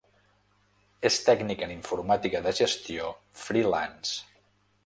És tècnic en informàtica de gestió ‘freelance’.